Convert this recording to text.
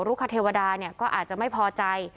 รุคเทวดาก็อาจจะไม่พอใจ